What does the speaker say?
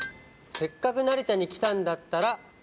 「せっかく成田に来たんだったら」